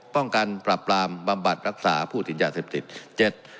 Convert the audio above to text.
ป้องกันปรับปรามบำบัดรักษาผู้ติดยาเสพติดเจ็ด